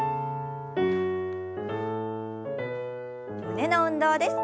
胸の運動です。